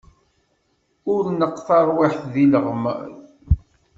Ur neqq tarwiḥt di lɣemma.